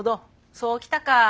そうきたか。